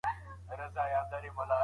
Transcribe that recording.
هیڅوک باید دروغ ونه وايي.